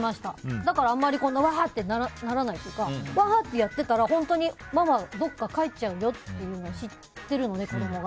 だからあんまりわーってならないっていうかわーってやってたら本当にママはどこかに帰っちゃうのを知ってるので、子供が。